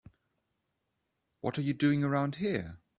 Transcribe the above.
What are you doing around here?